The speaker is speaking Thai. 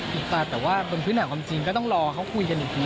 แต่ว่าเป็นพื้นฐานความจริงก็ต้องรอเขาคุยกันอีกที